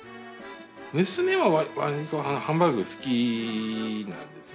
娘はわりとハンバーグ好きなんですよね。